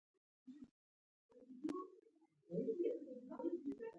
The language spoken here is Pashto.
هغه ګټه چې سوداګر پانګوال یې په لاس راوړي